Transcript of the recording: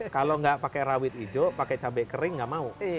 kalau nggak pakai rawit hijau pakai cabai kering nggak mau